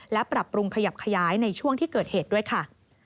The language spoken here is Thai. และปรับปรุงขยับขยายในช่วงที่เกิดเหตุด้วยค่ะ